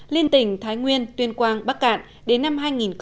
liên tỉnh thái nguyên tuyên quang bắc cạn đến năm hai nghìn hai mươi